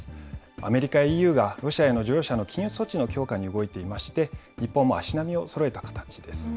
アメリカやＥＵがロシアへの乗用車の禁輸措置の強化に動いていまして、日本も足並みをそろえた形です。